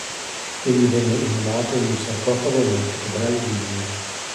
Egli venne inumato in un sarcofago nella Cattedrale di Lund.